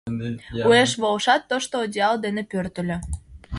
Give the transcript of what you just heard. Уэш волышат, тошто одеял дене пӧртыльӧ.